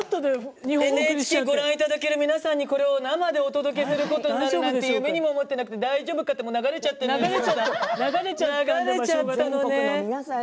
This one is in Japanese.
ＮＨＫをご覧いただいている皆さんにこれを生でお届けすることになるなんて夢にも思っていなくて大丈夫かな？ってもう流れちゃったのね。